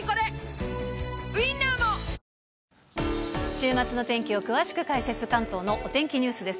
週末の天気を詳しく解説、関東のお天気ニュースです。